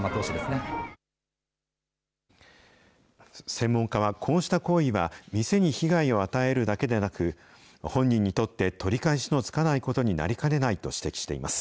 専門家はこうした行為は、店に被害を与えるだけでなく、本人にとって、取り返しのつかないことになりかねないと指摘しています。